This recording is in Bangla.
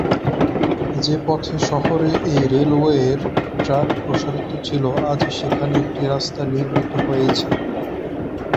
যে পথে শহরে এই রেলওয়ের ট্র্যাক প্রসারিত ছিল আজ সেখানে একটি রাস্তা নির্মিত হয়েছে।